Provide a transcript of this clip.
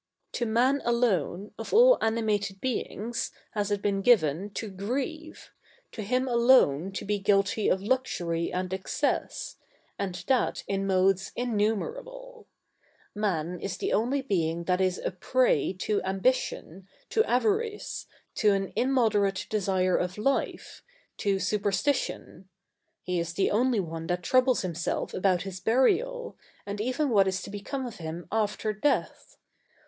To man alone, of all animated beings, has it been given, to grieve, to him alone to be guilty of luxury and excess; and that in modes innumerable. Man is the only being that is a prey to ambition, to avarice, to an immoderate desire of life, to superstition,—he is the only one that troubles himself about his burial, and even what is to become of him after death.